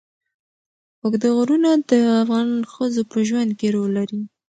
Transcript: اوږده غرونه د افغان ښځو په ژوند کې رول لري.